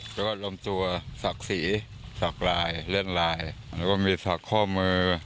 แล้วก็ลงตัวศักดิ์ศรีสักลายเล่นลายแล้วก็มีสักข้อมือ